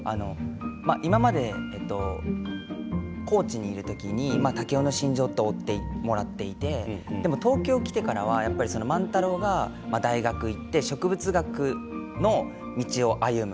今まで高知にいる時に竹雄の心情を追っていただいていてでも東京に来てから万太郎が大学に行って植物学の道を歩む。